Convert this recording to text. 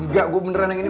enggak gue beneran yang ini